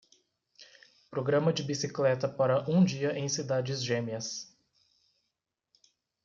Programa de bicicleta para um dia em cidades gêmeas